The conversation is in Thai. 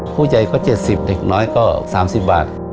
ผู้ใหญ่ก็๗๐เด็กน้อยก็๓๐บาท